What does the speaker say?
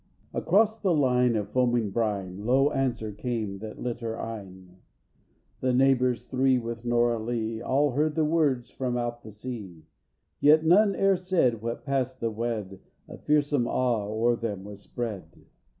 Across the line of foaming brine, Low answer came that lit her eyne. The neighbors three with Nora Lee All heard the words from out the sea, Yet none e'er said what past the wed, A fearsome awe o'er them was spread.